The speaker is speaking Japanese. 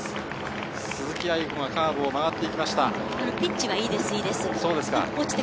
鈴木亜由子がカーブを曲がっていきました。